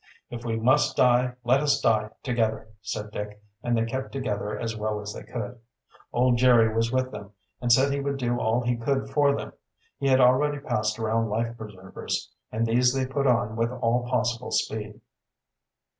"If we must die, let us die together!" said Dick, and they kept together as well as they could. Old Jerry was with them, and said he would do all he could for them. He had already passed around life preservers, and these they put on with all possible speed.